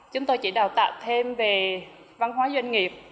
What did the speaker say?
chúng tôi chỉ đào tạo thêm về văn hóa doanh nghiệp